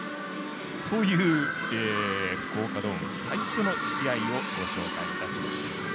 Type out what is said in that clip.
という福岡ドーム最初の試合をご紹介いたしました。